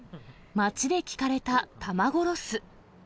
街で聞かれた卵ロス。